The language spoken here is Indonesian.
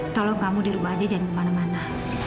tolong kamu dirubah aja jangan kemana mana